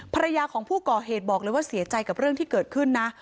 ภรรยาของผู้ก่อเหตุบอกเลยว่าเสียใจกับเรื่องที่เกิดขึ้นนะ